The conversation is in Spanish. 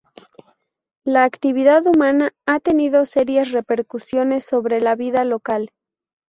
La actividad humana, ha tenido serias repercusiones sobre la vida local.